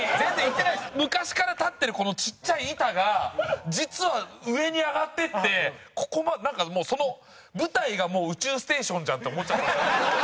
昔から立ってるこのちっちゃい板が実は上に上がっていってここまでなんかその舞台がもう宇宙ステーションじゃんって思っちゃった。